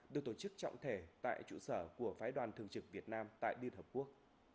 được tổ chức trọng thể tại trụ sở của phái đoàn thường trực việt nam tại liên hợp quốc